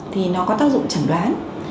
thì nó có tác dụng chẩn đoán